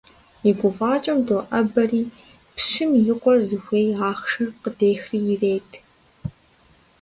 И гуфӀакӀэм доӀэбэри, пщым и къуэр зыхуей ахъшэр къыдехри ирет.